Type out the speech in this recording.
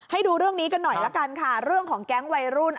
ให้ดูเรื่องนี้กันหน่อยละกันค่ะเรื่องของแก๊งวัยรุ่น